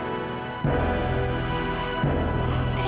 kamilah akan memilih